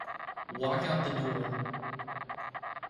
Walk out the door.